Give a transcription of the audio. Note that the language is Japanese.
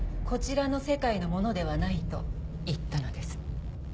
こちらの世界の者ではないと言ったのです。